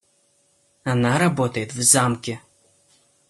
Она работает в Замке.